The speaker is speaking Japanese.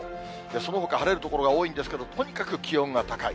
そのほか晴れる所が多いんですけど、とにかく気温が高い。